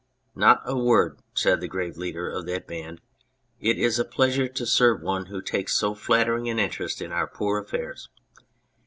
" Not a word," said the grave leader of that band, " it is a pleasure to serve one who takes so flattering an interest in our poor affairs.